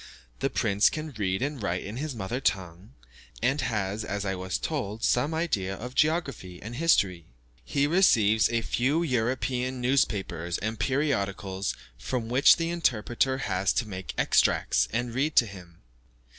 The prince can read and write in his mother tongue, and has, as I was told, some idea of geography and history. He receives a few European newspapers and periodicals from which the interpreter has to make extracts, and read to him.